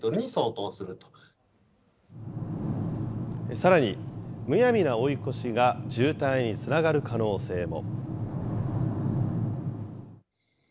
さらに、むやみな追い越しが渋滞につながる可能性も。